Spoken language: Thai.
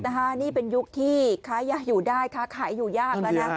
แล้วเป็นยุคที่ขายยาอยู่ได้แล้วขายอยู่ยาก